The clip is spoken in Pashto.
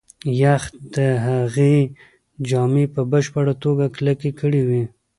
یخ د هغې جامې په بشپړه توګه کلکې کړې وې.